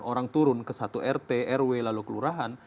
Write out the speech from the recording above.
orang turun ke satu rt rw lalu ke lurahan